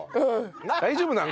大丈夫なの？